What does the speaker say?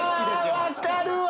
分かるわ。